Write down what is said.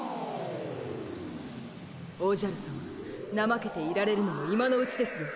おじゃるさまなまけていられるのも今のうちですぞ。